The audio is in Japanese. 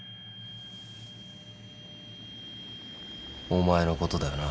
お前のことだよな？